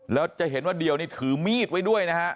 แล้วจะเห็นว่าเดียวนี่ถือมีดไว้ด้วยนะฮะ